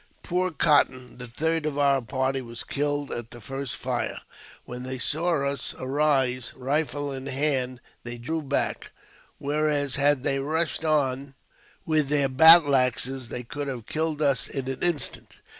Poor Cotton, the third of our party, was killed at the first fire. When they saw us arise, rifie in hand, they drew back ; whereas, had they rushed on with their battle axes, they could have killed us in an instant.